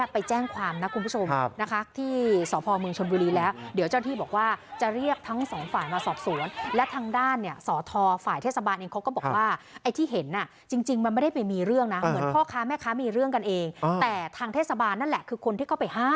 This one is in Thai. พ่อค้าแม่ค้ามีเรื่องกันเองแต่ทางเทศบาลนั่นแหละคือคนที่เขาไปห้าม